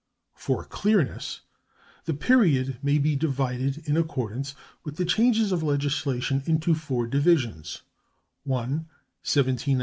For clearness, the period may be divided, in accordance with the changes of legislation, into four divisions: I.